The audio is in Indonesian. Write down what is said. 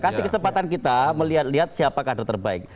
kasih kesempatan kita melihat lihat siapa kader terbaik